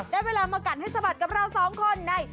ได้เวลามากัดให้สะบัดกับเราสองคนใน